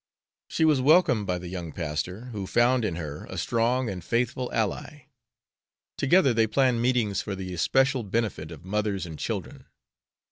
She was welcomed by the young pastor, who found in her a strong and faithful ally. Together they planned meetings for the especial benefit of mothers and children.